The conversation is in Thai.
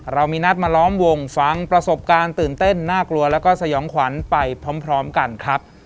เรามีนัดมาล้อมวงฟังประสบการณ์ตื่นเต้นน่ากลัวแล้วก็สยองขวัญไปพร้อมกันครับ